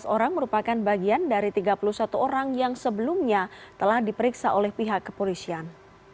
tiga belas orang merupakan bagian dari tiga puluh satu orang yang sebelumnya telah diperiksa oleh pihak kepolisian